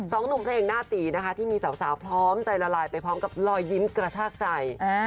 สองหนุ่มเพลงหน้าตีนะคะที่มีสาวพร้อมใจละลายไปพร้อมกับรอยยิ้มกระชากใจ